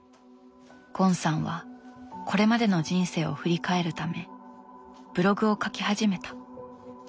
ゴンさんはこれまでの人生を振り返るためブログを書き始めた。